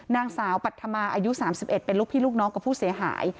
นางสาวปัธมาอายุ๓๑เป็นลูกพี่ลูกน้องกับผู้เสียหาย